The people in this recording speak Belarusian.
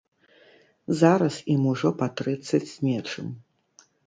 Зараз ім ужо па трыццаць з нечым.